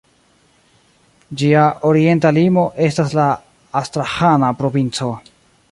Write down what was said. Ĝia orienta limo estas la Astraĥana provinco.